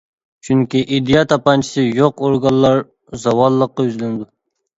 چۈنكى ئىدىيە تاپانچىسى يوق ئورگانلار زاۋاللىققا يۈزلىنىدۇ.